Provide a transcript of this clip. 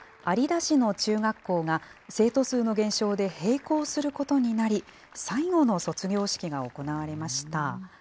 有田市の中学校が、生徒数の減少で閉校することになり、最後の卒業式が行われました。